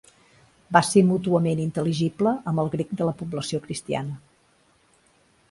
Va ser mútuament intel·ligible amb el grec de la població cristiana.